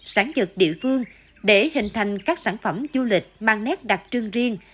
sản vật địa phương để hình thành các sản phẩm du lịch mang nét đặc trưng riêng